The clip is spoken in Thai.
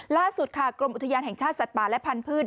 ล่าสุดค่ะกรมอุทยานแห่งชาติสัตว์ป่าและพันธุ์